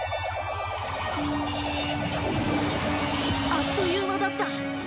あっという間だった。